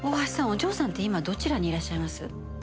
お嬢さんって今どちらにいらっしゃいます？